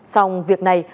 song việc này